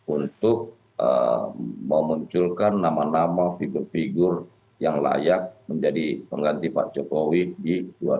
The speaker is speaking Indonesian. untuk memunculkan nama nama figur figur yang layak menjadi pengganti pak jokowi di dua ribu dua puluh